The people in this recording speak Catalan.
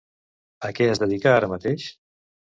A què es dedica ara mateix?